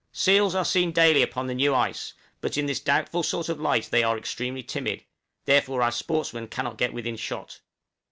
Seals are daily seen upon the new ice, but in this doubtful sort of light they are extremely timid, therefore our sportsmen cannot get within shot.